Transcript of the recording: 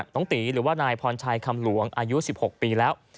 ตีหรือว่านายพรชัยคำหลวงอายุ๑๖ปีแล้ว